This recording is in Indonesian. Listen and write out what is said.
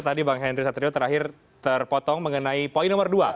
tadi bang henry satrio terakhir terpotong mengenai poin nomor dua